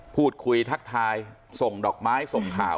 พูดคุยทักทายส่งดอกไม้ส่งข่าว